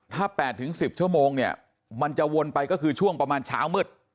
ถ้า๘๑๐ชั่วโมงเนี่ยมันจะวนไปก็คือช่วงประมาณเช้ามืด